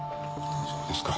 そうですか。